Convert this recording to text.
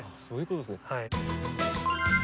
そういうことですね。